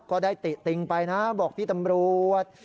ก็ได้เตะติงปล่อยน้ะบอกพี่ตำรวจ